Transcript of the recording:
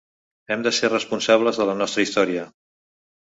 Hem de ser responsables de la nostra història.